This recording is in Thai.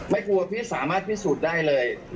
ไม่กลัวพี่สามารถพิสูจน์ได้เลย